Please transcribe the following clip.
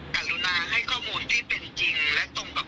กรุณาให้ข้อมูลที่เป็นจริงและตรงกับความจริงนิดหนึ่ง